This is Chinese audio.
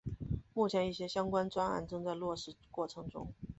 目前一些相关专案正在落实过程中。